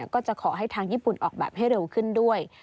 ก็จะขอให้ทางญี่ปุ่นออกแบบให้เร็วขึ้นด้วย